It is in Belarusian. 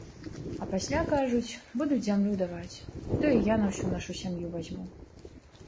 А пасля, кажуць, будуць зямлю даваць, то і я на ўсю нашу сям'ю вазьму.